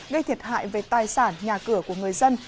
gây thiệt hại về tài sản nhà cửa của người dân